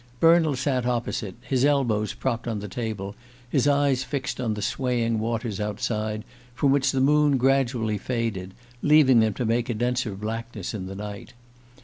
Bernald sat opposite, his elbows propped on the table, his eyes fixed on the swaying waters outside, from which the moon gradually faded, leaving them to make a denser blackness in the night.